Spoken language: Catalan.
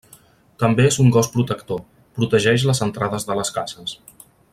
També és un gos protector, protegeix les entrades de les cases.